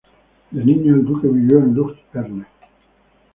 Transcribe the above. De niño el duque vivió en Lough Erne.